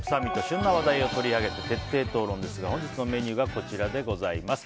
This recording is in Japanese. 旬な話題を取り上げて徹底討論ですが本日のメニューがこちらでございます。